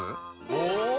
お！